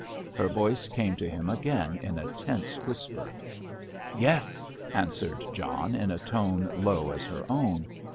Her voice came to him again in a tense whisper. "Yes," answered John in a tone low as her own.